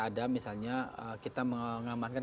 ada misalnya kita mengamankan